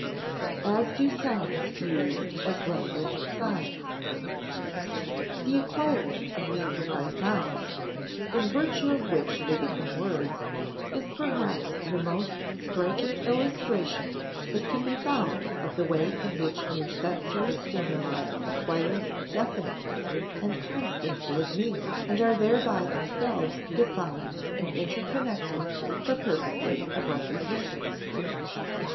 [Sidenote: As do sounds used as language signs] The acquiring of meaning by sounds, in virtue of which they become words, is perhaps the most striking illustration that can be found of the way in which mere sensory stimuli acquire definiteness and constancy of meaning and are thereby themselves defined and interconnected for purposes of recognition.